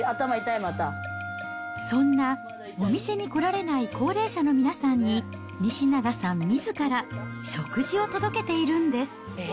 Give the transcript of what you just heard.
そんな、お店に来られない高齢者の皆さんに、西永さんみずから、食事を届けているんです。